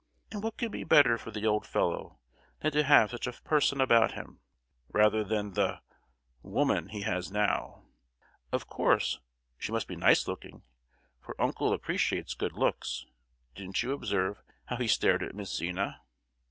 And what could be better for the old fellow than to have such a person about him, rather than the—woman he has now? Of course she must be nice looking, for uncle appreciates good looks; didn't you observe how he stared at Miss Zina?"